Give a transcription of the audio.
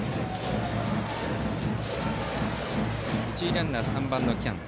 一塁ランナーは３番の喜屋武。